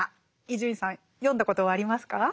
伊集院さん読んだことはありますか？